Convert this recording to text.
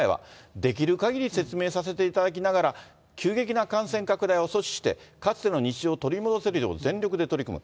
できるかぎり説明させていただきながら、急激な感染拡大を阻止して、かつての日常を取り戻せるよう全力で取り組む。